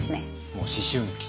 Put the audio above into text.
もう思春期？